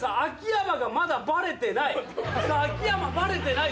さあ秋山バレてない。